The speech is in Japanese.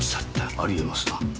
ありえますな。